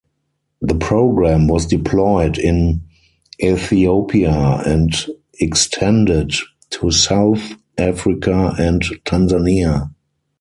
The programme was deployed in Ethiopia and extended to South Africa and Tanzania.